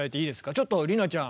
ちょっと理奈ちゃん。